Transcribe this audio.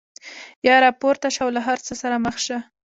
یا راپورته شه او له هر څه سره مخ شه.